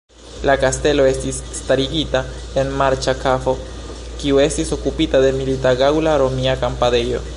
La kastelo estis starigita en marĉa kavo, kiu estis okupita de milita gaŭla-romia kampadejo.